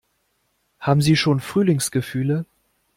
Haben Sie schon Frühlingsgefühle?